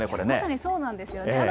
まさにそうなんですよね。